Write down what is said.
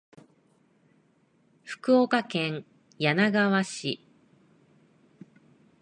福岡県柳川市